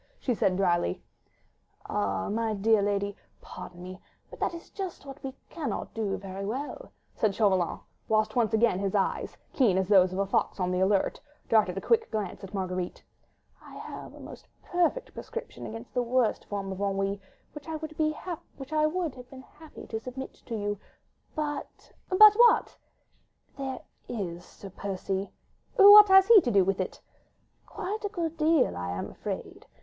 she said drily. "Ah! my dear lady, pardon me, but that is just what we cannot very well do," said Chauvelin, whilst once again his eyes, keen as those of a fox on the alert, darted a quick glance at Marguerite. "I have a most perfect prescription against the worst form of ennui, which I would have been happy to submit to you, but—" "But what?" "There is Sir Percy." "What has he to do with it?" "Quite a good deal, I am afraid.